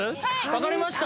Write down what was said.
わかりました